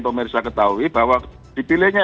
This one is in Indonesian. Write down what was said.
pemirsa ketahui bahwa dipilihnya